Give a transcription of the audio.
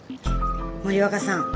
森若さん